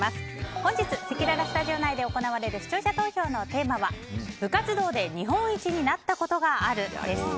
本日せきららスタジオ内で行われる視聴者投票のテーマは部活動で日本一になったことがあるです。